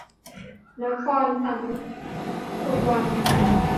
นคร สังสุวรรณ